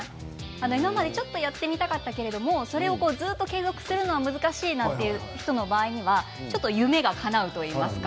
今までちょっとやってみたかったけれどそれをずっと継続するのは難しいなという人の場合にはちょっと夢がかなうといいますか。